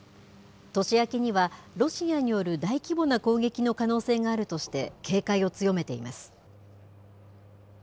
年明けには、ロシアによる大規模な攻撃の可能性があるとして、警戒を強めています。